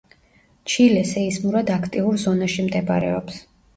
ჩილე სეისმურად აქტიურ ზონაში მდებარეობს.